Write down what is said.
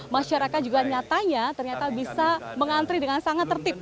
masyarakat juga nyatanya ternyata bisa mengantri dengan sangat tertib